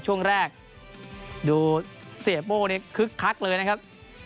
ช่วงแรกดูเสียโป้นี่คึกคักเลยนะครับ